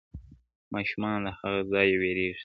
• ماسومان له هغه ځایه وېرېږي تل..